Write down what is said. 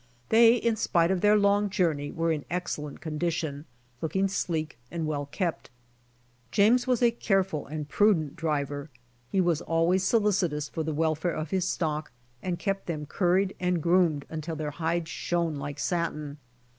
They, in spite of their long journey, were in ;excellent con dition, looking sleek and well kept. Jamjes was a WE SELL OUT 135 careful and prudent driver. He was always solicitous for the welfare of his stock and kept them curried and groomed until their hides shone like satin.